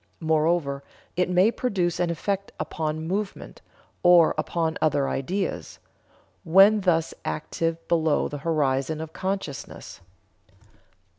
Moreover it may produce an effect upon movement, or upon other ideas, when thus active below the horizon of consciousness."